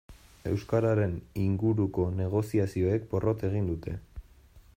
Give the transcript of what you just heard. Euskararen inguruko negoziazioek porrot egin dute.